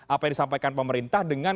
apa yang disampaikan pemerintah dengan